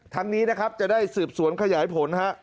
นี้นะครับจะได้สืบสวนขยายผลฮะ